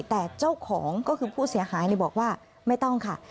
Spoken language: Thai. แต่เจ้าของก็คือผู้เสียหายบอกว่าไม่ต้องค่ะ